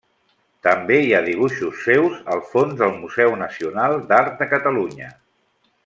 També hi ha dibuixos seus als fons del Museu Nacional d'Art de Catalunya.